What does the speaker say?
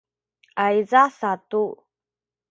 ayza satu